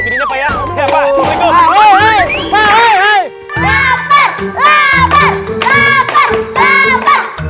apa dia ada jalan kami berisik